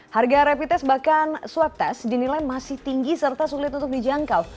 harga rapid test bahkan swab test dinilai masih tinggi serta sulit untuk dijangkau